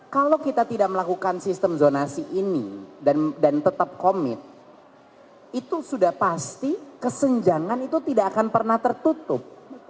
kalau kita tidak melakukan sistem zonasi ini dan tetap komit itu sudah pasti kesenjangan itu tidak akan pernah tertutup